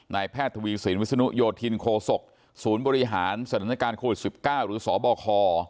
แพทย์ทวีสินวิศนุโยธินโคศกศูนย์บริหารสถานการณ์โควิด๑๙หรือสบค